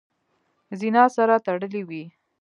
زینه سره تړلې وي .